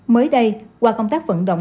mới đây qua công tác phận động